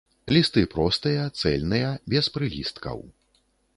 Лісты простыя, цэльныя, без прылісткаў.